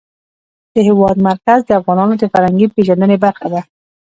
د هېواد مرکز د افغانانو د فرهنګي پیژندنې برخه ده.